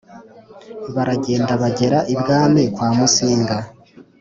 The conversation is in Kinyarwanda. Baragenda bagera ibwami kwamusinga